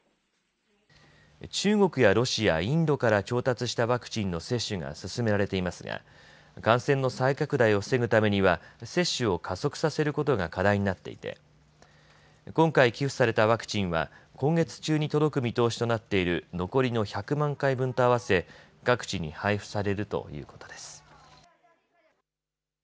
中国やロシア、インドから調達したワクチンの接種が進められていますが感染の再拡大を防ぐためには接種を加速させることが課題になっていて今回寄付されたワクチンは今月中に届く見通しとなっている残りの１００万回分と合わせ各地に配布されるということです。